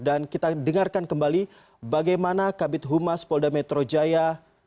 dan kita dengarkan kembali bagaimana kabit humas polda metro jaya